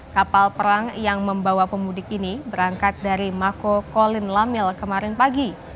kapal perang yang membawa pemudik ini berangkat dari mako kolin lamil kemarin pagi